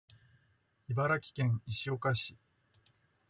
茨城県石岡市